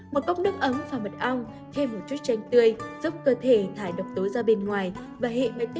một cốc nước ấm pha mật ong thêm một chút chanh tươi giúp cơ thể thải độc tố ra bên ngoài và hệ mệt mỏi